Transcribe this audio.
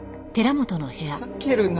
ふざけるな！